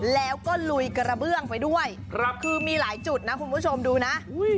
แล้วก็ลุยกระเบื้องไปด้วยครับคือมีหลายจุดนะคุณผู้ชมดูนะ